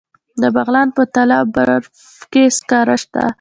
د بغلان په تاله او برفک کې سکاره شته.